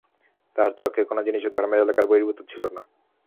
তাঁহার চক্ষে কোন জিনিষই ধর্মের এলাকার বহির্ভূত ছিল না।